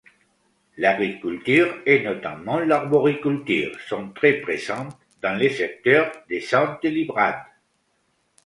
L'agriculture et notamment l'arboriculture sont très présentes dans le secteur de Sainte-Livrade.